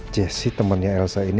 jessy temennya elsa ini